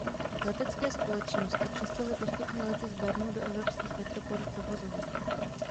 Letecké společnosti přestaly postupně lety z Bernu do evropských metropolí provozovat.